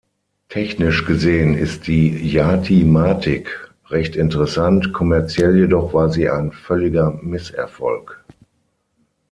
Technisch gesehen ist die Jati-Matic recht interessant, kommerziell jedoch war sie ein völliger Misserfolg.